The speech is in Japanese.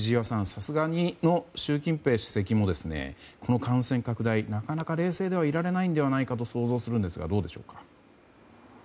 さすがの習近平主席もこの感染拡大なかなか冷静ではいられないと想像しますがどうでしょうか。